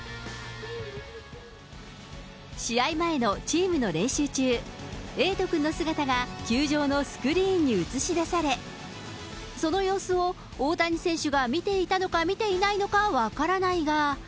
試合前のチームの練習中、えいと君の姿が球場のスクリーンに映し出され、その様子を大谷選手が見ていたのか見ていないのか分からないが。